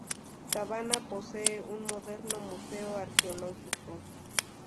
Cabana posee un moderno museo arqueológico.